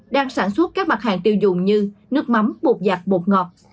đang sản xuất các mặt hàng tiêu dùng như nước mắm bột giặt bột ngọt